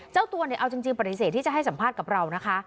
เจ้าตัวเนี่ยเอาจริงปฏิเสธที่จะให้สัมภาษณ์กับเรานะคะ